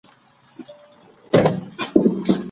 کورنۍ باید بې هدفه اقدام ونه کړي.